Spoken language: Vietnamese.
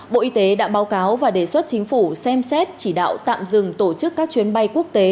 bộ y tế đã báo cáo và đề xuất chính phủ xem xét chỉ đạo tạm dừng tổ chức các chuyến bay quốc tế